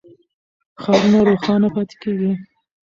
ښارونه روښانه پاتې کېږي.